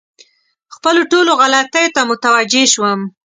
خپلو ټولو غلطیو ته متوجه شوم.